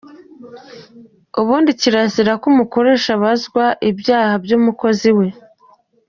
Ubundi kirazira ko umukoresha abazwa ibyaha by’umukozi we.